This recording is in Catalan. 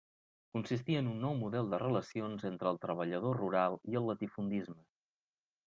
Consistia en un nou model de relacions entre el treballador rural i el latifundisme.